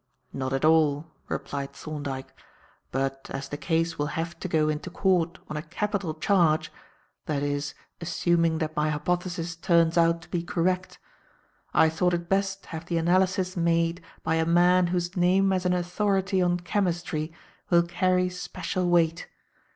"Not at all," replied Thorndyke. "But, as the case will have to go into Court on a capital charge that is, assuming that my hypothesis turns out to be correct I thought it best to have the analysis made by a man whose name as an authority on chemistry will carry special weight.